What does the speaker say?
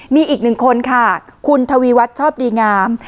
มีอีกหนึ่งคนค่ะคุณทวีวัฒน์ชอบดีงาม